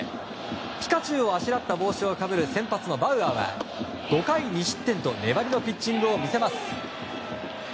ピカチュウをあしらった帽子をかぶる先発のバウアーは５回２失点と粘りのピッチングを見せます。